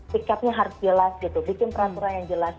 tiketnya harus jelas gitu bikin peraturan yang jelas